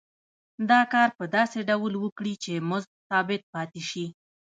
دا کار په داسې ډول وکړي چې مزد ثابت پاتې شي